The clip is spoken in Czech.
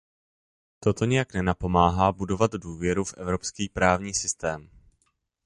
Toto nijak nenapomáhá budovat důvěru v evropský právní systém.